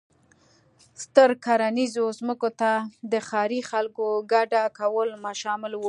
ستر کرنیزو ځمکو ته د ښاري خلکو کډه کول شامل و.